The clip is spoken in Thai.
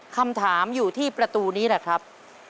คำถามอยู่ที่ประตูนี้แหละครับ